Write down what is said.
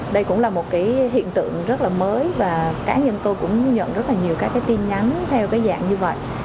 đây cũng là một hiện tượng rất mới và cá nhân tôi cũng nhận rất nhiều tin nhắn theo dạng như vậy